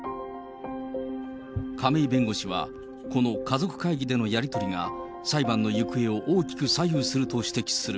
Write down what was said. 亀井弁護士は、この家族会議でのやり取りが、裁判の行方を大きく左右すると指摘する。